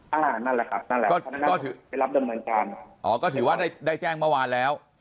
นั่นแหละครับนั่นแหละก็ถือไปรับดำเนินการอ๋อก็ถือว่าได้ได้แจ้งเมื่อวานแล้ว